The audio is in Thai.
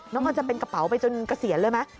มันจะเป็นกระเป๋าไปจนเกษียณเลยไหม